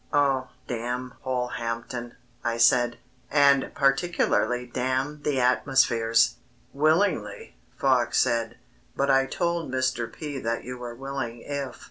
'" "Oh, damn Polehampton," I said, "and particularly damn the 'Atmospheres.'" "Willingly," Fox said, "but I told Mr. P. that you were willing if...."